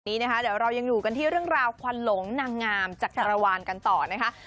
เดี๋ยวเรายังอยู่กันที่เรื่องราวควันหลงนางงามจักรวาลกันต่อนะคะ